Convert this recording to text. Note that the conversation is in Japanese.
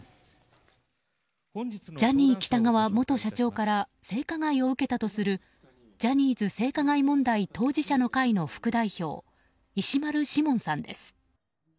ジャニー喜多川元社長から性加害を受けたとするジャニーズ性加害問題当事者の会の副代表石丸志門さんです。